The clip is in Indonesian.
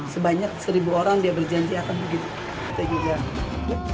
sebanyak seribu orang dia berjanji akan begitu